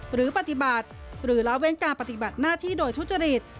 หรือปฏิบัติหรือละเว้นการปฏิบัติหน้าที่โดยทุจริต